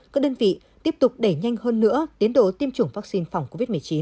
các đơn vị tiếp tục đẩy nhanh hơn nữa tiến độ tiêm chủng vaccine phòng covid một mươi chín